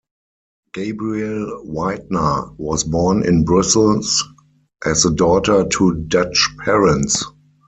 Gabrielle Weidner was born in Brussels as the daughter to Dutch parents.